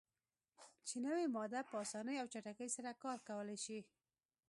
چې نوی ماده "په اسانۍ او چټکۍ سره کار کولای شي.